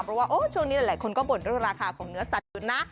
เพราะว่าช่วงนี้หลายคนก็บ่นเรื่องราคาของเนื้อสัตว์อยู่นะ